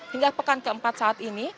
hingga pekan keempat saat ini